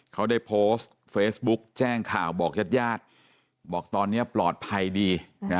เขาได้โพสต์เฟซบุ๊กแจ้งข่าวบอกญาติญาติบอกตอนนี้ปลอดภัยดี